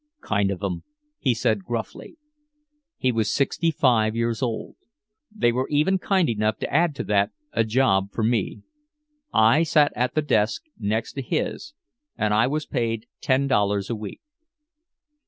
"Kind of 'em," he said gruffly. He was sixty five years old. They were even kind enough to add to that a job for me. I sat at the desk next to his and I was paid ten dollars a week.